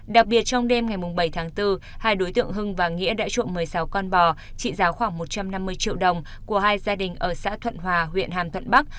đặc biệt trong đêm ngày bảy tháng bốn hai đối tượng hưng và nghĩa đã trộm một mươi sáu con bò trị giá khoảng một trăm năm mươi triệu đồng của hai gia đình ở xã thuận hòa huyện hàm thuận bắc